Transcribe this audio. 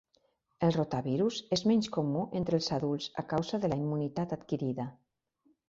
El rotavirus és menys comú entre els adults a causa de la immunitat adquirida.